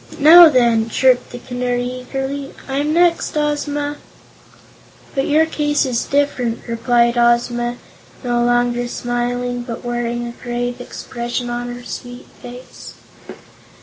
"Now, then," chirped the Canary, eagerly; "I'm next, Ozma!" "But your case is different," replied Ozma, no longer smiling but wearing a grave expression on her sweet face.